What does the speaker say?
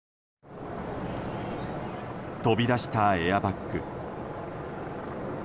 飛び出したエアバッグ。